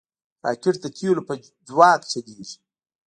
راکټ د تیلو په ځواک چلیږي